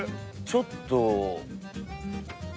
ちょっと。